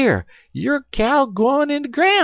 Yo' cow gwine in de groun'!